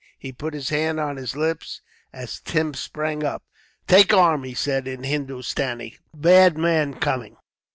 He put his hand on his lips, as Tim sprang up. "Take arm," he said, in Hindostanee. "Bad man coming."